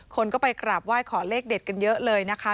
คนก็ไปกราบไหว้ขอเลขเด็ดกันเยอะเลยนะคะ